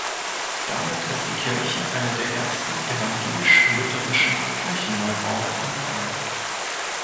Damit ist die Kirche eine der ersten evangelisch-lutherischen Kirchenneubauten in Bayern.